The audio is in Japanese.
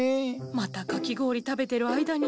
またかき氷食べてる間に。